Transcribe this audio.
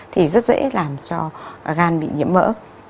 thì rất dễ làm cho gan bị nhiễm mỡ